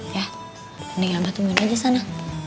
ya neng abah temuin aja sana